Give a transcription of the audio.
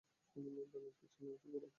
ডানার পেছনের পালক সাদা।